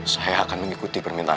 saya akan mengikuti permintaan